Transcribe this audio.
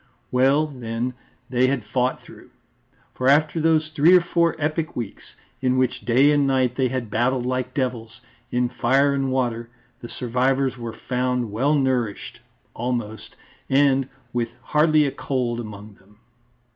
Well, then, they had fought through; for after those three or four epic weeks, in which day and night they had battled like devils, in fire and water, the survivors were found well nourished, almost, and with hardly a cold among them.